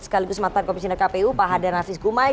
sekaligus matan komisioner kpu pak hadar nafis gumai